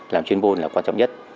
làm chuyên môn là quan trọng nhất